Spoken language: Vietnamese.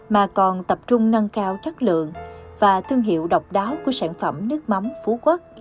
mà còn tập trung nâng cao chất lượng và thương hiệu độc đáo của sản phẩm nước mắm phú quốc